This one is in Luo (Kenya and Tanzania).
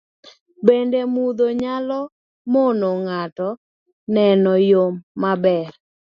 Bende, mudho nyalo mono ng'ato neno yo maber